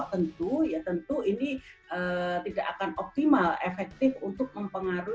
pembangunan dari program diskon ini akan mendapatkan keuntungan yang sangat besar